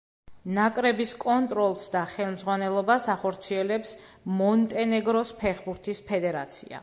ნაკრების კონტროლს და ხელმძღვანელობას ახორციელებს მონტენეგროს ფეხბურთის ფედერაცია.